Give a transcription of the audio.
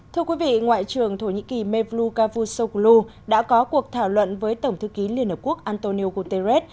thưa quý vị ngoại trưởng thổ nhĩ kỳ mevlu cavusoglu đã có cuộc thảo luận với tổng thư ký liên hợp quốc antonio guterres